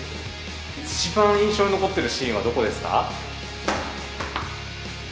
一番印象に残っているシーンはどこですか？